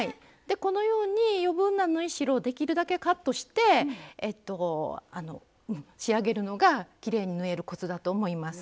このように余分な縫い代をできるだけカットして仕上げるのがきれいに縫えるコツだと思います。